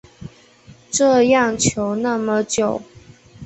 这样求那么久